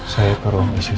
saya ke ruang icu